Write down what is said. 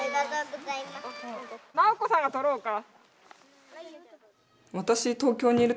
奈緒子さんがとろうか？